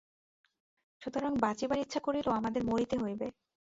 সুতরাং বাঁচিবার ইচ্ছা করিলেও আমাদের মরিতে হইবে।